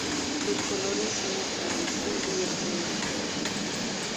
Sus colores son el carmesí y el crema.